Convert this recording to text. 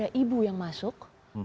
ada ibu yang masuk